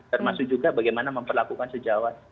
termasuk juga bagaimana memperlakukan sejawat